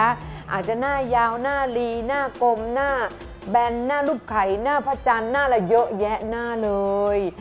อาจจะหน้ายาวหน้าลีหน้ากลมหน้าแบนหน้ารูปไข่หน้าพระจันทร์หน้าละเยอะแยะหน้าเลย